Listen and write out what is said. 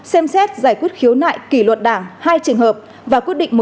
xem xét giải quyết khiếu nại kỳ luật đảng hai trường hợp và quyết định